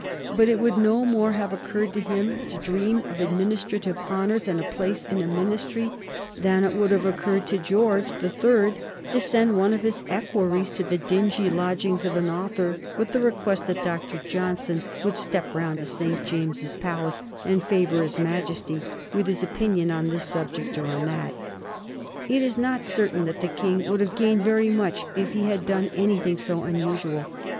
But it would no more have occurred to him to dream of administrative honors and a place in a Ministry than it would have occurred to George the Third to send one of his equerries to the dingy lodgings of an author with the request that Dr. Johnson would step round to St. James's Palace and favor his Majesty with his opinion on this subject or on that. It is not certain that the King would have gained very much if he had done anything so unusual.